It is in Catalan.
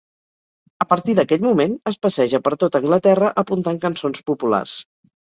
A partir d'aquell moment es passeja per tot Anglaterra apuntant cançons populars.